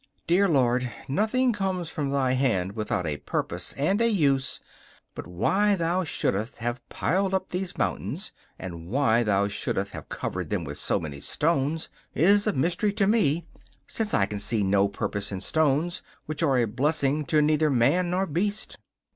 Dear Lord, nothing comes from Thy hand without a purpose and a use, but why Thou shouldst have piled up these mountains, and why Thou shouldst have covered them with so many stones, is a mystery to me, since I can see no purpose in stones, which are a blessing to neither man nor beast.